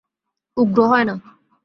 উগ্র হয় না।